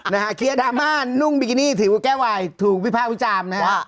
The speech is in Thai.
เคียดราม่านุ่งบิกินี่ถือว่าแก้ววายถูกวิภาควิจารณ์นะฮะ